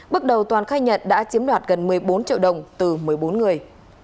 bước đầu toàn khai nhận đã chiếm đoạt gần một mươi bốn triệu đồng từ một mươi bốn người